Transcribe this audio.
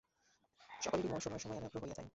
সকলেরই মন সময়ে সময়ে একাগ্র হইয়া যায়।